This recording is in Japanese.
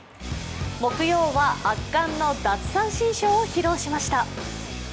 木曜は圧巻の奪三振ショーを披露しました。